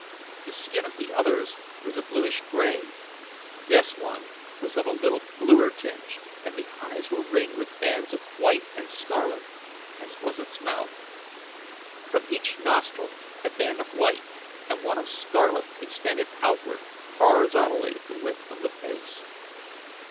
The skin of the others was a bluish gray this one was of a little bluer tinge and the eyes were ringed with bands of white and scarlet, as was its mouth. From each nostril a band of white and one of scarlet extended outward horizontally the width of the face.